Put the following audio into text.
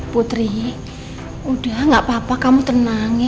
putri udah gak apa apa kamu tenang